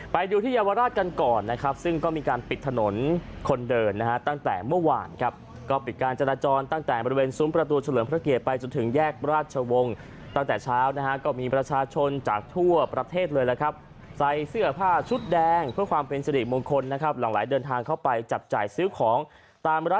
ไปดูที่เยาวราชกันก่อนนะครับซึ่งก็มีการปิดถนนคนเดินนะฮะตั้งแต่เมื่อวานครับก็ปิดการจราจรตั้งแต่บริเวณซุ้มประตูเฉลิมพระเกียรติไปจนถึงแยกราชวงศ์ตั้งแต่เช้านะฮะก็มีประชาชนจากทั่วประเทศเลยล่ะครับใส่เสื้อผ้าชุดแดงเพื่อความเป็นสิริมงคลนะครับหลังไหลเดินทางเข้าไปจับจ่ายซื้อของตามระ